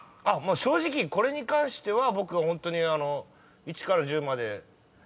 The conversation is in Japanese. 正直これに関しては僕ホントに１から１０まで。